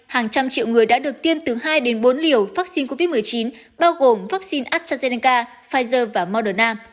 hàng trăm triệu người đã được tiêm từ hai đến bốn liều vaccine covid một mươi chín bao gồm vaccine astrazeneca pfizer và mordernam